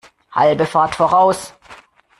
Halbe Fahrt voraus!